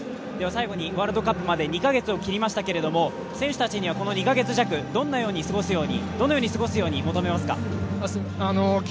最後にワールドカップまで２か月を切りましたけど、選手たちにはこの２か月弱、どのように過ごすように求めますか。